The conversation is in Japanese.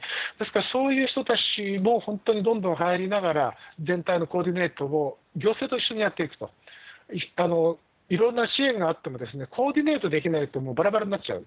そういう人たちも本当にどんどん入りながら、全体のコーディネートを行政と一緒にやっていくと、いろんな支援があってもコーディネートできないともうばらばらになっちゃう。